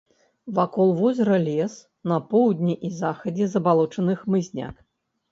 Вакол возера лес, на поўдні і захадзе забалочаны хмызняк.